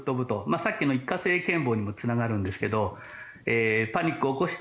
さっきの一過性健忘にもつながるんですがパニックを起こした